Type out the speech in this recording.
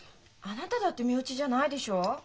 あなただって身内じゃないでしょう？